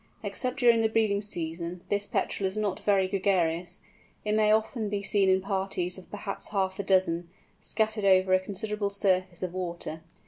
Except during the breeding season this Petrel is not very gregarious; it may often be seen in parties of perhaps half a dozen, scattered over a considerable surface of water.